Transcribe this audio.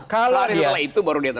kalah di setelah itu